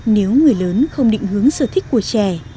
nếu người lớn không định hướng sở thích của trẻ